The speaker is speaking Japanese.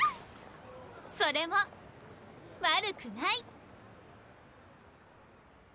それも悪くない！